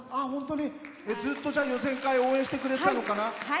ずっと予選会応援してくれてたのかな。